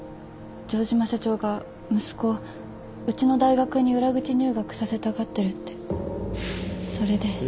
城島社長が息子をうちの大学に裏口入学させたがってるって。それで。